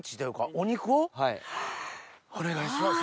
お願いします。